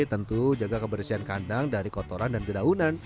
tentu jaga kebersihan kandang dari kotoran dan dedaunan